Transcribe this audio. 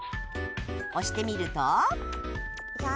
押してみると